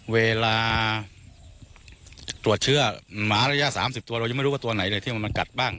เวลาตรวจเชื้อหมาระยะ๓๐ตัวเรายังไม่รู้ว่าตัวไหนเลยที่ว่ามันกัดบ้าง